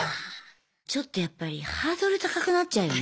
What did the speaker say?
ちょっとやっぱりハードル高くなっちゃうよね。